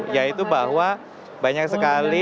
yaitu bahwa banyak sekali